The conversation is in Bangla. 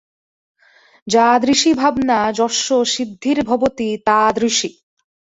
যাদৃশী ভাবনা যস্য সিদ্ধির্ভবতি তাদৃশী।